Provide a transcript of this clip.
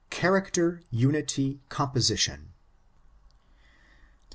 —CHaracTER—Uniry—Composition.